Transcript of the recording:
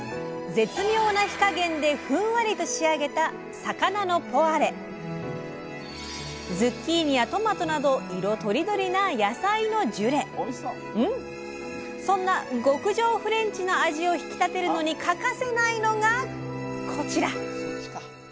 絶妙な火加減でふんわりと仕上げたズッキーニやトマトなど色とりどりなそんな極上フレンチの味を引き立てるのに欠かせないのがこちら！